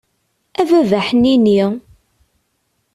A baba ḥnini!